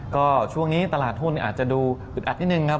ก็ช่วงนี้ตลาดหุ้นอาจจะดูอึดอัดนิดนึงครับ